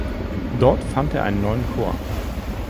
Dort fand er einen neuen Chor.